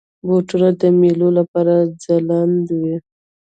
بوټونه د میلو لپاره ځلنده وي.